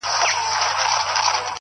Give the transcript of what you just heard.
• کنې دا زړه بېړی به مو ډوبېږي,